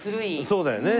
そうだよね。